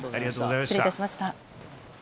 失礼いたしました。